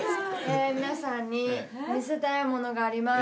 え皆さんに見せたいものがあります。